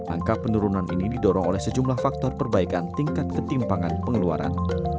angka penurunan ini didorong oleh sejumlah faktor perbaikan tingkat ketimpangan pengeluaran